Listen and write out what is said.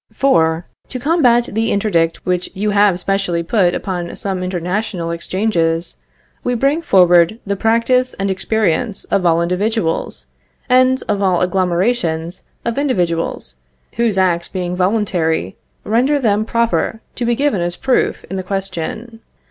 For to combat the interdict which you have specially put upon some international exchanges, we bring forward the practice and experience of all individuals, and of all agglomerations of individuals, whose acts being voluntary, render them proper to be given as proof in the question.